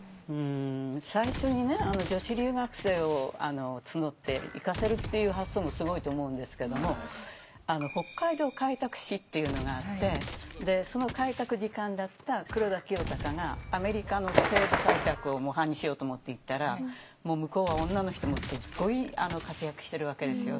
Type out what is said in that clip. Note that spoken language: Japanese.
最初に女子留学生を募って行かせるっていう発想もすごいと思うんですけども北海道開拓使っていうのがあってその開拓次官だった黒田清隆がアメリカの西部開拓を模範にしようと思って行ったらもう向こうは女の人もすごい活躍してるわけですよ